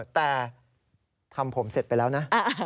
แต่ทำผมเสร็จไปแล้วนะ